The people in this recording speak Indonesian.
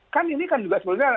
kan ini kan juga sebenarnya